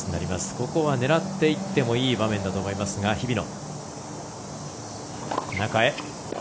ここは狙っていってもいい場面だと思いますが、日比野。